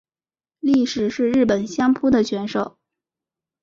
力士是日本相扑的选手。